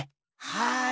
はい。